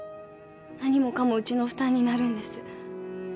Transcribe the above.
何もかもうちの負担になるんです。